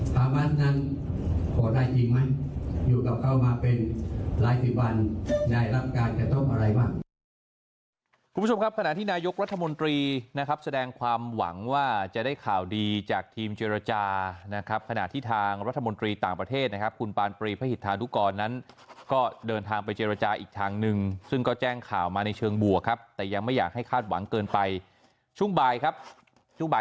ข้าวบ้านนั้นขอได้จริงไหมอยู่กับเขามาเป็นหลายสิบวันได้รับการจะต้องอะไรบ้าง